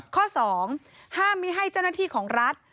ข้อ๒ห้ามไม่ให้เจ้าหน้าที่ของรัฐ